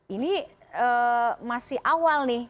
ini masih awal nih